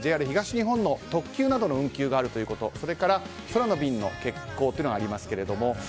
ＪＲ東日本の特急などの運休があるということそれから、空の便の欠航というのがありますが。